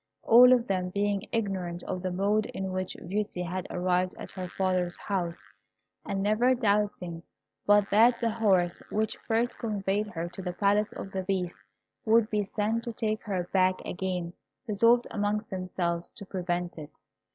All of them being ignorant of the mode in which Beauty had arrived at her father's house, and never doubting but that the horse which first conveyed her to the Palace of the Beast would be sent to take her back again, resolved amongst themselves to prevent it.